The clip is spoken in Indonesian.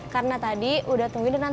karena tadi udah tungguin nanti laras